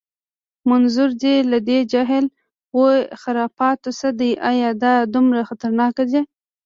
منظور دې له دې جهل و خرافاتو څه دی؟ ایا دا دومره خطرناک دي؟